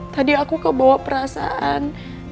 tadi aku kebawa perasaan